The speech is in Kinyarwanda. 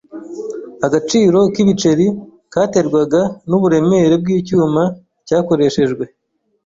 Agaciro k'ibiceri katerwaga n'uburemere bw'icyuma cyakoreshejwe.